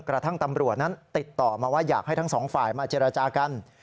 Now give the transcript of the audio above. กระทั่งตำรวจนั้นติดต่อมาว่าอยากให้ทั้งสองฝ่ายมาเจรจากัน